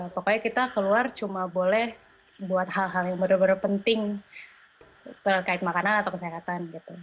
pokoknya kita keluar cuma boleh buat hal hal yang benar benar penting terkait makanan atau kesehatan gitu